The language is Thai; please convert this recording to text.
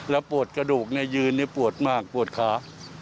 แล้วปวดกระดูกยืนปวดมากปวดขา